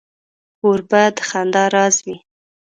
کوربه د خندا راز وي.